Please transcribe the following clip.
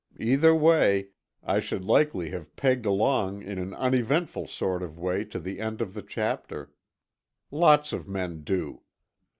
Either way, I should likely have pegged along in an uneventful sort of way to the end of the chapter—lots of men do.